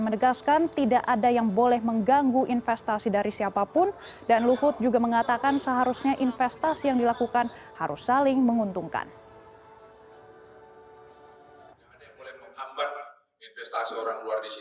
menegaskan tidak ada yang boleh mengganggu investasi dari siapapun dan luhut juga mengatakan seharusnya investasi yang dilakukan harus saling menguntungkan